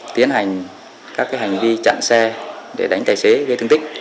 tiến hành các hành vi chặn xe để đánh tài xế gây thương tích